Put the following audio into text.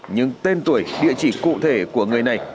nhưng tên tuổi địa chỉ cụ thể của người này